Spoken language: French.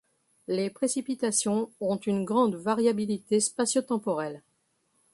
Les précipitations ont une grande variabilité spatio-temporelle.